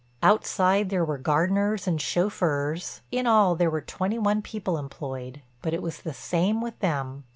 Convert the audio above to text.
Outside there were gardeners and chauffeurs—in all there were twenty one people employed—but it was the same with them.